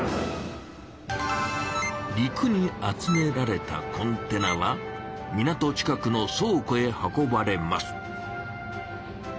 陸に集められたコンテナは港近くの倉庫へ運ばれます。